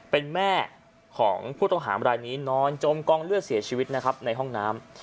เป็นแม่ของผู้ต้องหามรายนี้นอนจมกองเลือดเสียชีวิตนะครับในห้องน้ำ